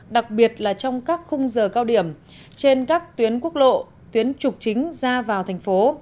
đặc biệt là trong các khung giờ cao điểm trên các tuyến quốc lộ tuyến trục chính ra vào thành phố